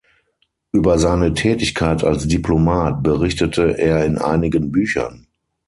Über seine Tätigkeit als Diplomat berichtete er in einigen Büchern.